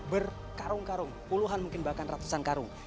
berkarung karung puluhan mungkin bahkan ratusan karung